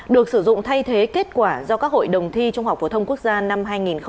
được sử dụng thay thế kết quả do các hội đồng thi trung học phổ thông quốc gia năm hai nghìn một mươi tám